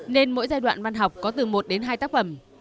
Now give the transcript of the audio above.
nên mỗi giai đoạn văn học có từ một đến hai tác phẩm